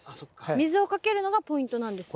水をかけるのがポイントなんですね。